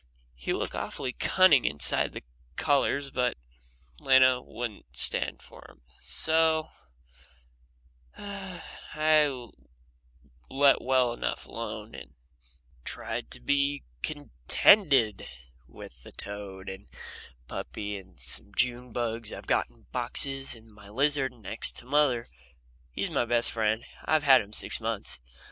He looked awfully cunning inside the collars, but Lena wouldn't stand for him, so I let well enough alone and tried to be contented with the toad and the puppy and some June bugs I've got in boxes in the closet, and my lizard next to mother, he's my best friend I've had him six months.